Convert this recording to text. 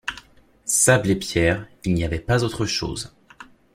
Sable et pierres, il n’y avait pas autre chose